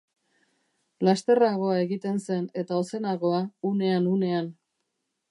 Lasterragoa egiten zen, eta ozenagoa, unean-unean.